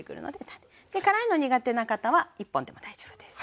辛いの苦手な方は１本でも大丈夫です。